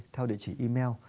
theo địa chỉ email